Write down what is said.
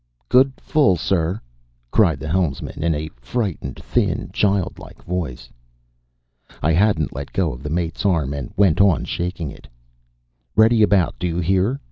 "Good full, sir," cried the helmsman in a frightened, thin, childlike voice. I hadn't let go the mate's arm and went on shaking it. "Ready about, do you hear?